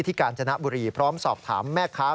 ที่กาญจนบุรีพร้อมสอบถามแม่ค้าขนาด